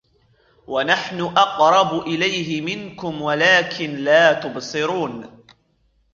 وَنَحْنُ أَقْرَبُ إِلَيْهِ مِنْكُمْ وَلَكِنْ لَا تُبْصِرُونَ